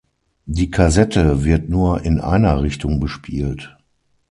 Die Kassette wird nur in einer Richtung bespielt.